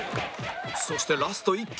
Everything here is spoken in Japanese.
そしてラスト１球